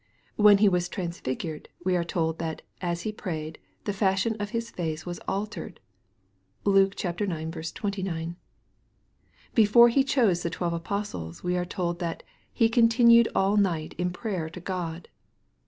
When He was transfigured, we are told, that " as He prayed, the fashion of His face was altered." (Luke ix. 29.) Before He chose the twelve apostles, we are told that " He continued all night in prayer to God."